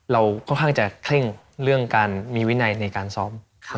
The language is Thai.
เราค่อนข้างจะเคร่งเรื่องการมีวินัยในการซ้อม